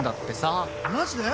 マジで？